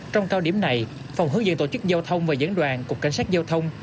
trong cao điểm này phòng hướng dẫn tổ chức giao thông và dẫn đoàn cục cảnh sát giao thông